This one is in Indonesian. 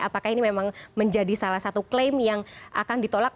apakah ini memang menjadi salah satu klaim yang akan ditolak